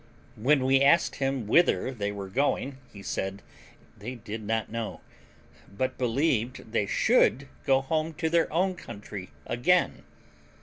When we asked him whither they were going, he said they did not know, but believed they should go home to their own country again.